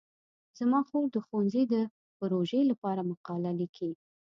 زما خور د ښوونځي د پروژې لپاره مقاله لیکي.